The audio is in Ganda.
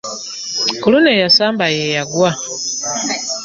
Ku luno eyasamba ye yagwa.